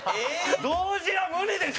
同時は無理でしょ！